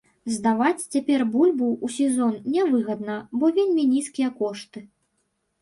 Здаваць цяпер бульбу, у сезон, не выгадна, бо вельмі нізкія кошты.